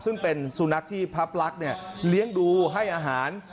ซึ่งเป็นสุนัขที่พับลักษณ์เลี้ยงดูให้อาหาร